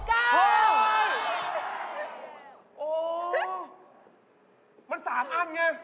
มัน๓อันไง